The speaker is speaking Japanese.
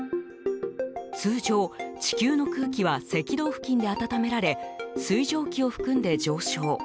通常、地球の空気は赤道付近で温められ水蒸気を含んで上昇。